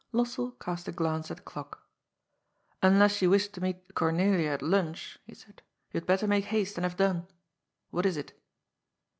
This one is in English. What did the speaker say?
Lossell cast a glance at the clock. " Unless you wish to meet Cornelia at lunch," he said, " you had better make haste, and have done. What is it